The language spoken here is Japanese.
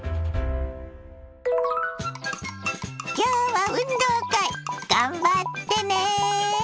今日は運動会頑張ってね！